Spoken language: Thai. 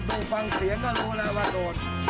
ดูฟังเสียงก็รู้แล้วว่าโดน